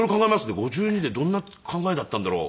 ５２でどんな考えだったんだろう？